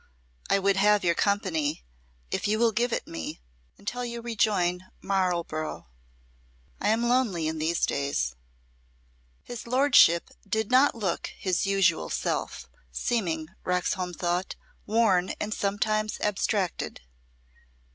"I would have your company if you will give it me until you rejoin Marlborough. I am lonely in these days." His lordship did not look his usual self, seeming, Roxholm thought, worn and sometimes abstracted.